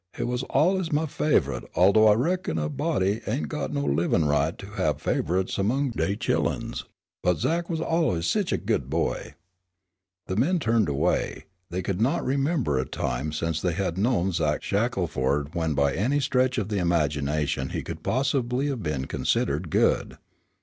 He was allus my favorite, aldough I reckon a body ain' got no livin' right to have favorites among dey chilluns. But Zach was allus sich a good boy." The men turned away. They could not remember a time since they had known Zach Shackelford when by any stretch of imagination he could possibly have been considered good.